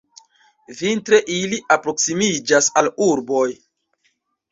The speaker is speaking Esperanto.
Vintre ili alproksimiĝas al urboj.